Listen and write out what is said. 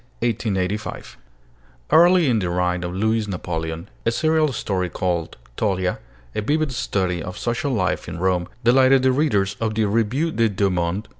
EDMOND ABOUT (1828 1885) Early in the reign of Louis Napoleon, a serial story called 'Tolla,' a vivid study of social life in Rome, delighted the readers of the Revue des Deux Mondes.